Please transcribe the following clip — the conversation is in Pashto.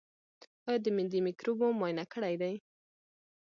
ایا د معدې مکروب مو معاینه کړی دی؟